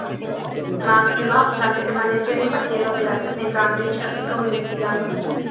Max, no obstante, permaneció impartiendo clases en Cambridge, así como investigando.